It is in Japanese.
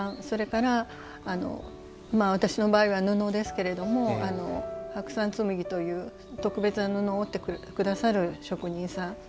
それから私の場合は布ですけれども白山紬という特別な布を織ってくださる職人さん。